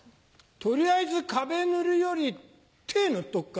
取りあえず壁塗るより手塗っとくか？